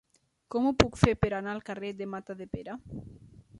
Com ho puc fer per anar al carrer de Matadepera?